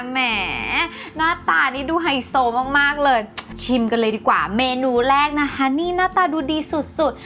แหมหน้าตานี่ดูไฮโซมากเลยชิมกันเลยดีกว่าเมนูแรกนะคะนี่หน้าตาดูดีสุดสุด